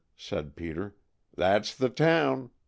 said Peter. "That's the town.